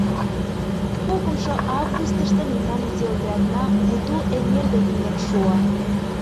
Кокымшо августышто мемнан изи отрядна Буту эҥер дек миен шуо.